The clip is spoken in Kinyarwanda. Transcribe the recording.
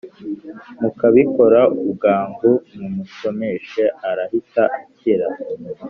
mukabikora bwangu mumusomesha arahita akira.